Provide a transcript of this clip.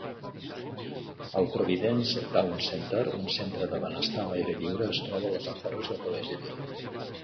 El Providence Town Center, un centre de benestar a l'aire lliure, es troba a les afores de Collegeville.